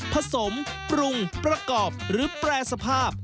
ผสมปรุงประกอบหรือแปรสภาพ